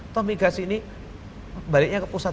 toh migas ini baliknya ke pusat